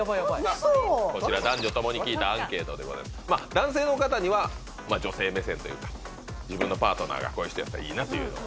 男性の方には女性目線というか自分のパートナーがこういう人やったらいいなというのを。